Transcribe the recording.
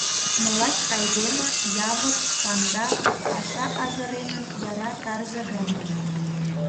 Но лач айдеме, явык, каҥга, — паша азыренын яра тарзе гане.